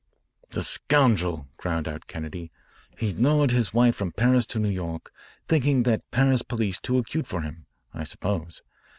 "The scoundrel," ground out Kennedy. "He lured his wife from Paris to New York, thinking the Paris police too acute for him, I suppose.